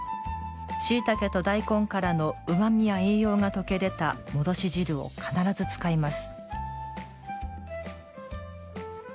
しいたけと大根からのうまみや栄養が溶け出た戻し汁を必ず使います。